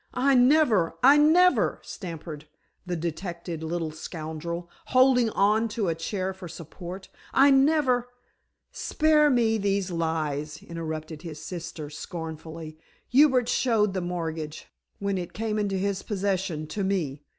"I never I never!" stammered the detected little scoundrel, holding on to a chair for support. "I never " "Spare me these lies," interrupted his sister scornfully, "Hubert showed the mortgage, when it came into his possession, to me.